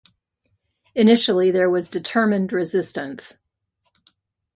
Initially there was determined resistance.